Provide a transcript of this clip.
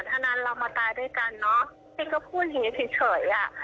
ถ้านั้นเรามาตายด้วยกันเนอะพี่ก็พูดอย่างนี้เฉยอ่ะ